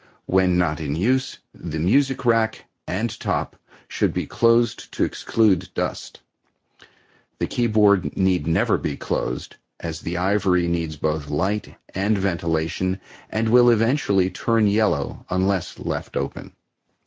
When not in use the music rack and top should be closed to exclude dust. The keyboard need never be closed, as the ivory needs both light and ventilation and will eventually turn yellow unless left open.